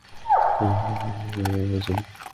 এই সব কি তোমার মিশনের অংশ ছিল?